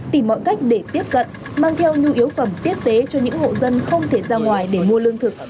tìm mọi cách để tiếp cận mang theo nhu yếu phẩm tiếp tế cho những hộ dân không thể ra ngoài để mua lương thực